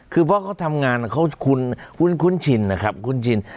คือเพราะเขาทำงานเขาคุ้นชินนะครับคุ้นชิน